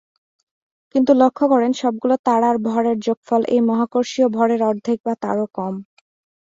কিন্তু লক্ষ্য করেন, সবগুলো তারার ভরের যোগফল এই মহাকর্ষীয় ভরের অর্ধেক বা তারও কম।